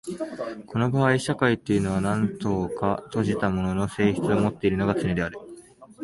この場合社会というのは何等か閉じたものの性質をもっているのがつねである。